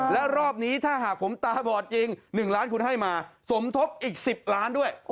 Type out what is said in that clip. และรอบนี้ถ้าหากผมตาบอดจริง๑ล้านคุณให้มาสมทบอีก๑๐ล้านด้วย